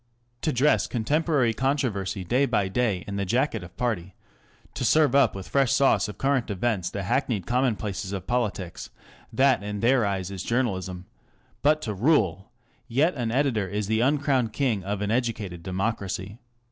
To dress contemporary controversy day by day in the jacket of party, to serve up with fresh sauce of current events the hackneyed commonplaces of politics ŌĆö that in their eyes is journalism ; but to rule ! ŌĆö Yet an editor is the uncrowned king of an educated democracy.